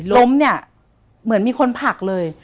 ล้มเนี่ยเหมือนมีคนผลักเลย